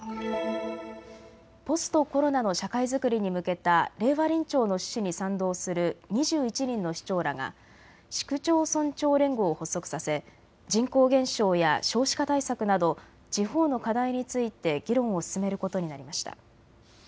ポストコロナの社会づくりに向けた令和臨調の趣旨に賛同する２１人の市長らが市区町村長連合を発足させ人口減少や少子化対策など地方の課題について議論を進めることになりました。